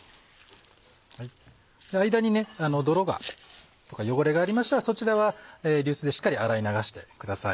間に泥がとか汚れがありましたらそちらは流水でしっかり洗い流してください。